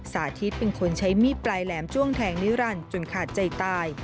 สาธิตเป็นคนใช้มีดปลายแหลมจ้วงแทงนิรันดิ์จนขาดใจตาย